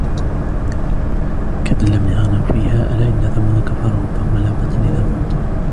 كَأَنْ لَمْ يَغْنَوْا فِيهَا أَلَا إِنَّ ثَمُودَ كَفَرُوا رَبَّهُمْ أَلَا بُعْدًا لِثَمُودَ